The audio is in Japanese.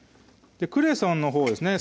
クレソンのほうですね